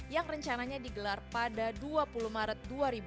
yang rencananya digelar pada dua puluh maret dua ribu dua puluh